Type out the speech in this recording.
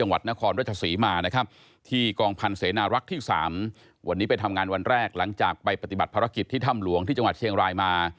วันนี้เป็นทำงานวันแรกหลังจากไปปฏิบัติภาระกิจที่ถ้ำหลวงที่จังหวัดเชียงรายมา